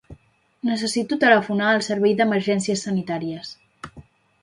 Necessito telefonar al Servei d'Emergències Sanitàries.